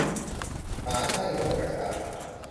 หาใช่โง่ดักดาน